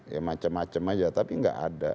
ya macem macem aja tapi gak ada